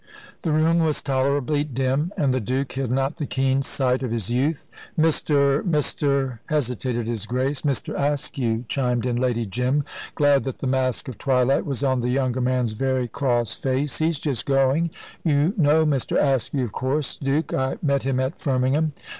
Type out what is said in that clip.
The room was tolerably dim, and the Duke had not the keen sight of his youth. "Mr. Mr. !" hesitated His Grace. "Mr. Askew," chimed in Lady Jim, glad that the mask of twilight was on the younger man's very cross face. "He's just going. You know Mr. Askew, of course, Duke. I met him at Firmingham.